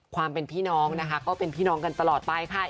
ความเป็นพี่น้องนะคะก็เป็นพี่น้องกันตลอดไปค่ะ